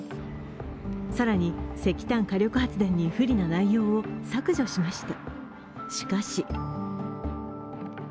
更に石炭火力発電に不利な内容を削除しました。